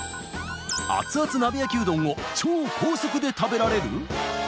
熱々鍋焼きうどんを超高速で食べられる！？